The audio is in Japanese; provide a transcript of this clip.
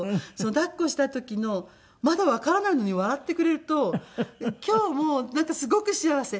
抱っこした時のまだわからないのに笑ってくれると今日もすごく幸せ。